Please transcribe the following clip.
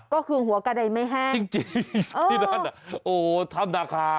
ก็คืองหวกะเด่นไม่แห้งจริงจริงที่นั่นโอ้โธ่ธรรมดาคา